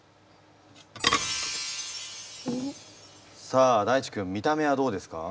さあ大馳くん見た目はどうですか？